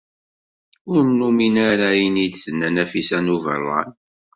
Ur numin ara ayen i d-tenna Nafisa n Ubeṛṛan.